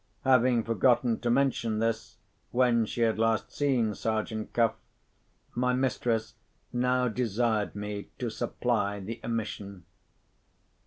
Having forgotten to mention this, when she had last seen Sergeant Cuff, my mistress now desired me to supply the omission.